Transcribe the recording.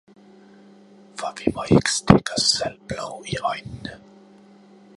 For vi må ikke stikke os selv blår i øjnene.